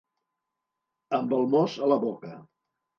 Amb el mos a la boca.